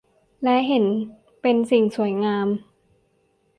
และเห็นเป็นสิ่งสวยงาม